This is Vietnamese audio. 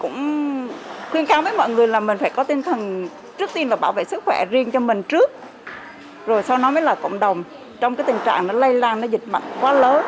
cũng khuyên khám với mọi người là mình phải có tinh thần trước tiên là bảo vệ sức khỏe riêng cho mình trước rồi sau đó mới là cộng đồng trong cái tình trạng nó lây lan nó dịch mạnh quá lớn